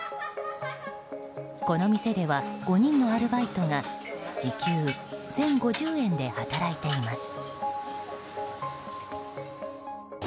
この店では５人のアルバイトが時給１０５０円で働いています。